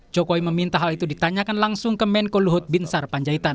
jokowi meminta hal itu ditanyakan langsung ke menko luhut bin sarpanjaitan